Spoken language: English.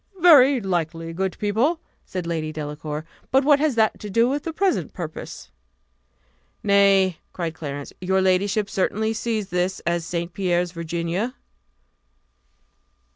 "Very likely, good people!" said Lady Delacour; "but what has that to do with the present purpose?" "Nay," cried Clarence, "your ladyship certainly sees that this is St. Pierre's Virginia?"